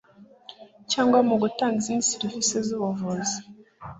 cyangwa mu gutanga izindi serivisi z ubuvuzi